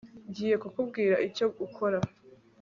ngiye kukubwira icyo ukora